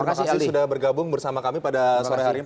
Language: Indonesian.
terima kasih sudah bergabung bersama kami pada sore hari ini